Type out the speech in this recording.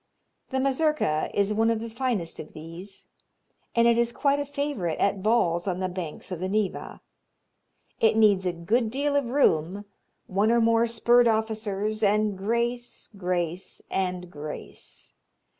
The mazurka is one of the finest of these, and it is quite a favorite at balls on the banks of the Neva. It needs a good deal of room, one or more spurred officers, and grace, grace and grace.